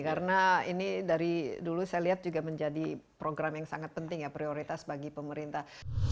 karena ini dari dulu saya lihat juga menjadi program yang sangat penting ya prioritas bagi pemerintah